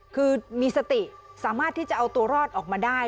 คือมีสติสามารถที่จะเอาตัวรอดออกมาได้